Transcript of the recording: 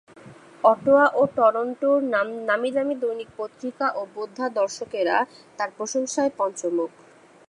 Ottawa এবং টরন্টোর নামীদামি দৈনিক পত্রিকা এবং বোদ্ধা দর্শকেরা তাঁর প্রশংসায় পঞ্চমুখ।